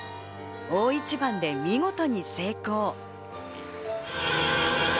大一番で見事成功。